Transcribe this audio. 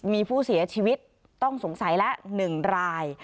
มีผู้เสียชีวิตต้องสงสัยละ๑ราย